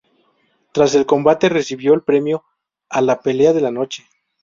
Tras el combate, recibió el premio a la "Pelea de la Noche".